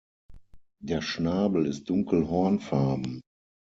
Der Schnabel ist dunkel hornfarben.